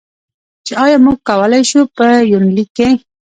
چې ایا موږ کولی شو، په یونلیک کې.